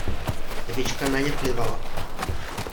Evička na ně plivala.